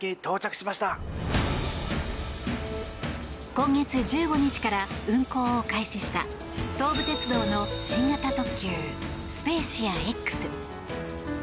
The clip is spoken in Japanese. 今月１５日から運行を開始した東武鉄道の新型特急スペーシアＸ。